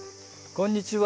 こんにちは。